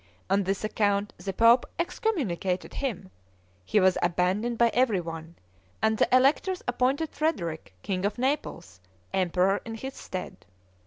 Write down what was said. On this account the pope excommunicated him; he was abandoned by every one, and the electors appointed Frederick, king of Naples, emperor in his stead.